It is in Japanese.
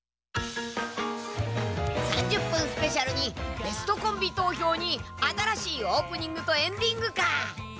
３０分スペシャルにベストコンビ投票に新しいオープニングとエンディングか！